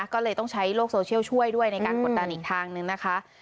ก็เลยต้องใช้โลกโซเชียลช่วยด้วยในการกดดันอีกทางนึงนะคะ